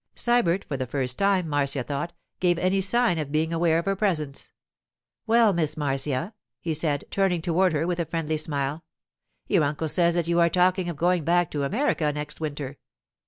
Sybert for the first time, Marcia thought, gave any sign of being aware of her presence. 'Well, Miss Marcia,' he said, turning toward her with a friendly smile. 'Your uncle says that you are talking of going back to America next winter.